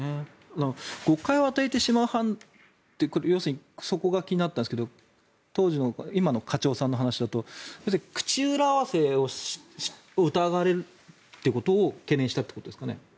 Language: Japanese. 誤解を与えてしまうってこれは要するにそこが気になったんですが今の課長さんの話だと口裏合わせを疑われるってことを懸念したということですかね？